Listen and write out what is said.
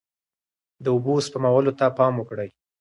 د اوبو سپمولو ته پام وکړئ.